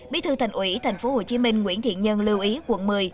bí thư thành ủy tp hcm nguyễn thiện nhân lưu ý quận một mươi